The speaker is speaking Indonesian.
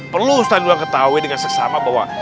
perlu ustaz rinduan ketahui dengan sesama bahwa